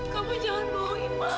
kamu jangan bohongi mama